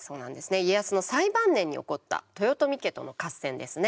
家康の最晩年に起こった豊臣家との合戦ですね。